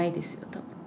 多分。